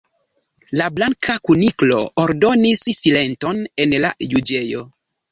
La Blanka Kuniklo ordonis: "Silenton en la juĝejo."